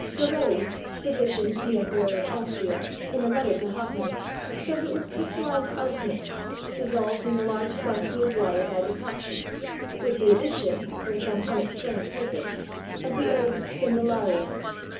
Garelli, physician to the Emperor of Austria, in a letter to Hoffmann, says it was crystallised arsenic, dissolved in a large quantity of water by decoction, with the addition (for some unexplained purpose) of the herb cymbalaria.